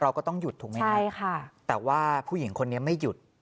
ก็ต้องหยุดถูกไหมคะใช่ค่ะแต่ว่าผู้หญิงคนนี้ไม่หยุด